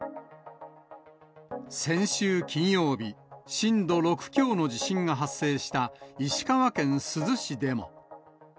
先週金曜日、震度６強の地震が発生した石川県珠洲市でも。